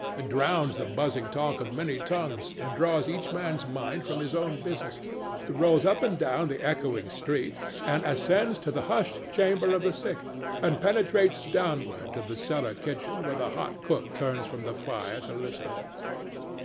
It drowns the buzzing talk of many tongues and draws each man's mind from his own business; it rolls up and down the echoing street, and ascends to the hushed chamber of the sick, and penetrates downward to the cellar kitchen where the hot cook turns from the fire to listen.